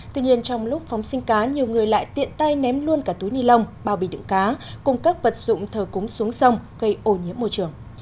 tuy nhiên trong lúc phóng sinh cá nhiều người lại tiện tay ném luôn cả túi ni lông bao bì đựng cá cùng các vật dụng thờ cúng xuống sông gây ổ nhiễm môi trường